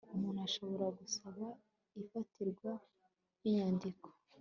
umuntu ashobora gusaba ifatirwa ry inyandiko